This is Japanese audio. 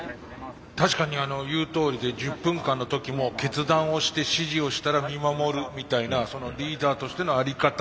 確かに言うとおりで１０分間の時も決断をして指示をしたら見守るみたいなリーダーとしての在り方